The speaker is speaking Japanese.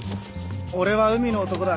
俺は海の男だ。